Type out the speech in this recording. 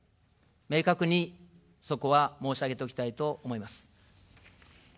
明確にそこは申し上げておきたいと思います。